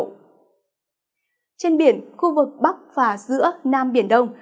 trên biển khu vực bắc và giữa nam biển đông